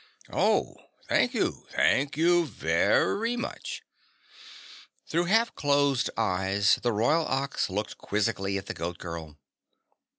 "Oh, thank you! Thank you very much!" Through half closed eyes the Royal Ox looked quizzically at the Goat Girl.